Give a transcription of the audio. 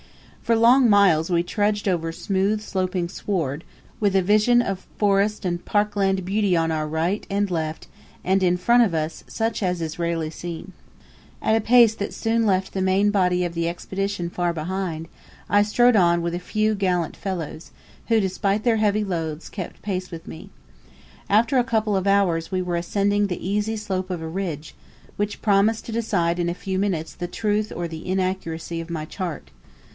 For long miles we trudged over smooth sloping sward, with a vision of forest and park land beauty on our right and left, and in front of us such as is rarely seen. At a pace that soon left the main body of the Expedition far behind, I strode on with a few gallant fellows, who, despite their heavy loads, kept pace with me. After a couple of hours we were ascending the easy slope of a ridge, which promised to decide in a few minutes the truth or the inaccuracy of my chart.